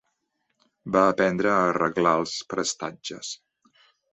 Va aprendre a arreglar els prestatges